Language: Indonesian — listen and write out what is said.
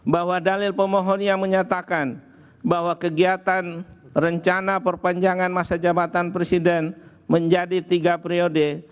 bahwa dalil pemohon yang menyatakan bahwa kegiatan rencana perpanjangan masa jabatan presiden menjadi tiga periode